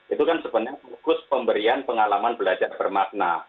itu kan sebenarnya fokus pemberian pengalaman belajar bermakna